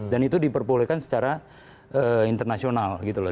dan itu diperbolehkan secara internasional gitu loh